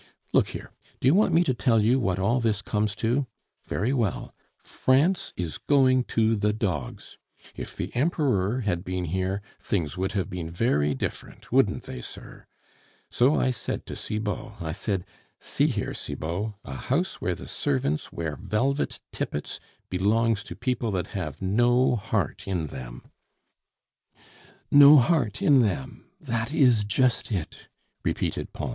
Look here, do you want me to tell you what all this comes to? Very well, France is going to the dogs.... If the Emperor had been here, things would have been very different, wouldn't they, sir?... So I said to Cibot, I said, 'See here, Cibot, a house where the servants wear velvet tippets belongs to people that have no heart in them '" "No heart in them, that is just it," repeated Pons.